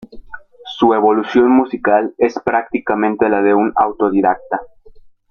Su evolución musical es prácticamente la de un autodidacta.